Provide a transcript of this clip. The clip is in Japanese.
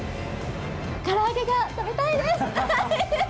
から揚げが食べたいです。